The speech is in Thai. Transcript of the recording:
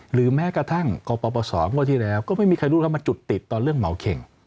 หรือแม้กระทั่งกปศงวดที่แล้วก็ไม่มีใครรู้แล้วมาจุดติดตอนเรื่องเหมาเข็ง